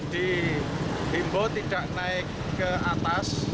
di bimbo tidak naik ke atas